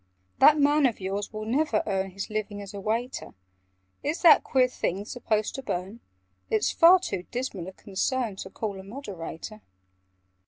"That man of yours will never earn His living as a waiter! Is that queer thing supposed to burn? (It's far too dismal a concern To call a Moderator).